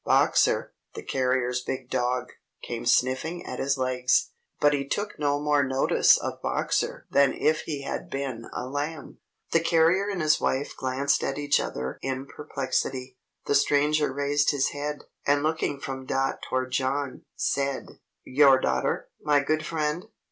Boxer, the carrier's big dog, came sniffing at his legs, but he took no more notice of Boxer than if he had been a lamb. The carrier and his wife glanced at each other in perplexity. The Stranger raised his head; and looking from Dot toward John, said: "Your daughter, my good friend?"